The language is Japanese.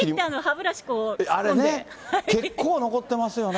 あれね、結構残ってますよね。